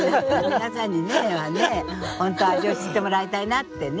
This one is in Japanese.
皆さんにねほんと味を知ってもらいたいなってね。